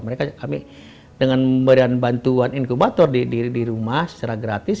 mereka kami dengan memberikan bantuan inkubator di rumah secara gratis